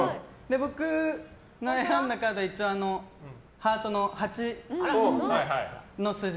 僕の選んだカードがハート８の数字